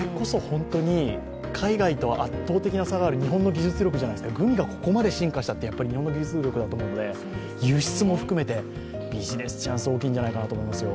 海外と圧倒的に差がある日本の技術力じゃないですか、グミがここまで進歩したって日本の技術力だと思うので、輸出も含めてビジネスチャンス、大きいんじゃないかと思いますよ。